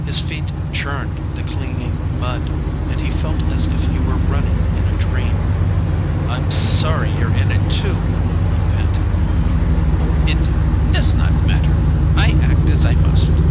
His feet churned the clinging mud, and he felt as if he were running in a dream. "I'm sorry you're in it, too," he panted. "It does not matter. I act as I must."